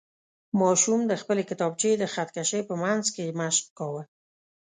ماشوم د خپلې کتابچې د خط کشۍ په منځ کې مشق کاوه.